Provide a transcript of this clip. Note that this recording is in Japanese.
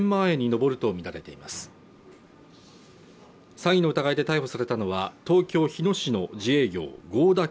詐欺の疑いで逮捕されたのは東京・日野市の自営業合田圭